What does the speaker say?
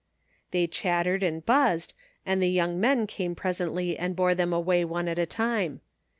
They chattered and buzzed, and the yotmg men came presently and bore them away one at a time.